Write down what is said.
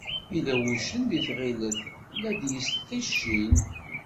Yella wuccen deg tɣilet, la d-yesṭiccin.